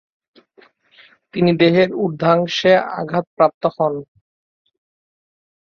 তিনি দেহের ঊর্ধ্বাংশে আঘাতপ্রাপ্ত হন।